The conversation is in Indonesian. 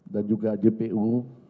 dan juga jpu